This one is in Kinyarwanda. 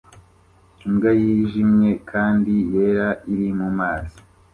Imbwa yijimye kandi yera iri mumazi